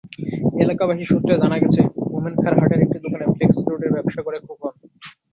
এলাকাবাসী সূত্রে জানা গেছে, মোমেনখার হাটের একটি দোকানে ফ্লেক্সিলোডের ব্যবসা করে খোকন।